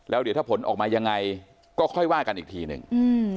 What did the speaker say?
แล้วเดี๋ยวถ้าผลออกมายังไงก็ค่อยว่ากันอีกทีหนึ่ง